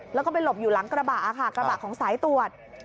แล้วก็ไปหลบอยู่หลังกระบะค่ะกระบะของสายตรวจ